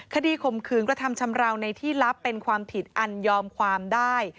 ข่มขืนกระทำชำราวในที่ลับเป็นความผิดอันยอมความได้